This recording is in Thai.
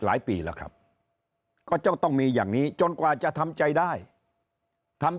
ปีแล้วครับก็ต้องมีอย่างนี้จนกว่าจะทำใจได้ทำ